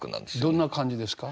どんな感じですか。